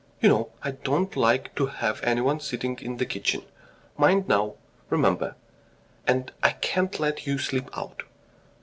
... You know I don't like to have anyone sitting in the kitchen. Mind now, remember .... And I can't let you sleep out."